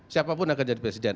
siapapun akan jadi presiden